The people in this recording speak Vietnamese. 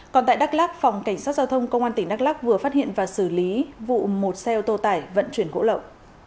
còn tại đắk lắc phòng cảnh sát giao thông công an tỉnh đắk lắc vừa phát hiện và xử lý vụ một xe ô tô tải vận chuyển gỗ lậu